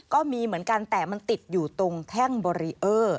ก็มีเหมือนกันแต่มันติดอยู่ตรงแท่งบอรีเออร์